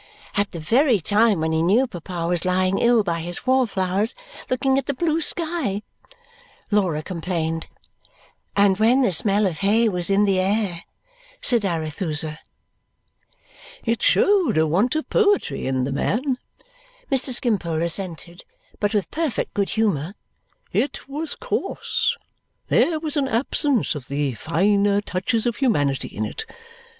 "At the very time when he knew papa was lying ill by his wallflowers, looking at the blue sky," Laura complained. "And when the smell of hay was in the air!" said Arethusa. "It showed a want of poetry in the man," Mr. Skimpole assented, but with perfect good humour. "It was coarse. There was an absence of the finer touches of humanity in it!